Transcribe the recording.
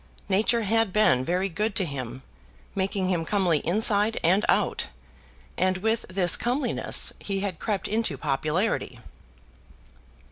Nature had been very good to him, making him comely inside and out, and with this comeliness he had crept into popularity.